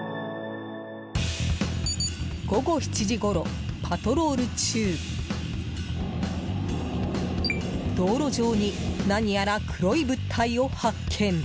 午後７時ごろ、パトロール中道路上に、何やら黒い物体を発見。